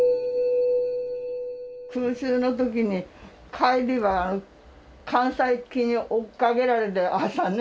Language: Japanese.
空襲の時に帰りは艦載機に追っかけられて朝ね。